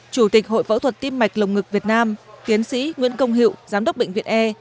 chủ tịch hội phẫu thuật tim mạch lồng ngực việt nam tiến sĩ nguyễn công hiệu giám đốc bệnh viện e